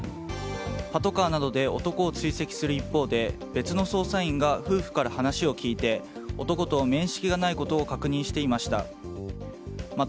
パトカーなどで男を追跡する一方で別の捜査員が夫婦から話を聞いて男と面識がないことを確認していました。